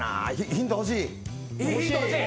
ヒント欲しい。